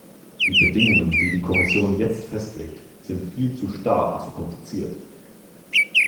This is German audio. Die Bedingungen, die die Kommission jetzt festlegt, sind viel zu starr und zu kompliziert.